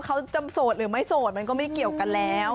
เขาจะโสดหรือไม่โสดมันก็ไม่เกี่ยวกันแล้ว